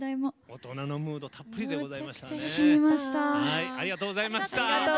大人のムードたっぷりでございました。